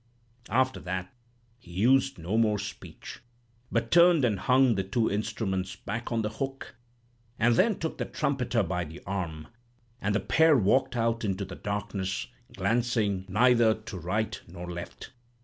After that, he used no more speech; but turned and hung the two instruments back on the hook; and then took the trumpeter by the arm; and the pair walked out into the darkness, glancing neither to right nor left.